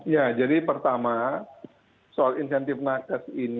ya jadi pertama soal insentif nakes ini